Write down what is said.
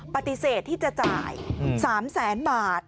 ปฏิเสธที่จะจ่าย๓๐๐๐๐๐บาท